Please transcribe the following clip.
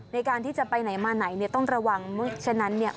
ในการที่จะไปไหนมาไหนเนี่ยต้องระวังเพราะฉะนั้นเนี่ย